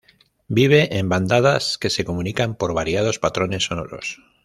Vive en bandadas que se comunican por variados patrones sonoros.